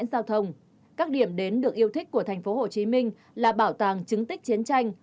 giao thông các điểm đến được yêu thích của tp hcm là bảo tàng chứng tích chiến tranh